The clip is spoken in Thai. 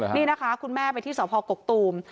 นี่นะคะคุณแม่ไปที่สพกกตูม